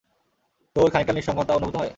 তো ওর খানিকটা নিসঙ্গতা অনুভূত হয়?